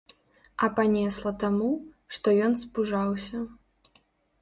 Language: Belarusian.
А панесла таму, што ён спужаўся.